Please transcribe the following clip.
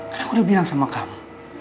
karena aku udah bilang sama kamu